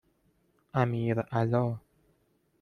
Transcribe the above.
امیرعلا